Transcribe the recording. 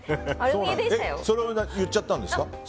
それを言っちゃったんですか。